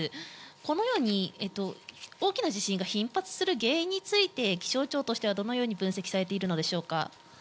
このように大きな地震が頻発する原因について、気象庁としては、どのように分析されているのでしょうか。